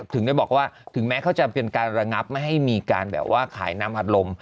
ถึงได้บอกว่าถึงแม้เขาจะเป็นการระงับไม่ให้มีการแบบว่าขายน้ำอัดลม